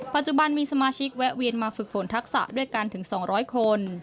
ปัจจุบันมีสมาชิกแวะเวียนมาฝึกฝนทักษะด้วยกันถึง๒๐๐คน